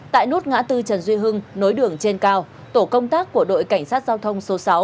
tại nút ngã tư trần duy hưng nối đường trên cao tổ công tác của đội cảnh sát giao thông số sáu